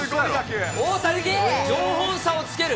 大谷に４本差をつける